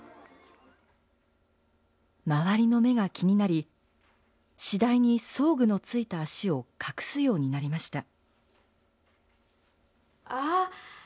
周りの目が気になり、次第に装具のついた足を隠すようになりました。